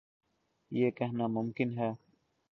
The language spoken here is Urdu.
یہ کہنا ممکن ہے۔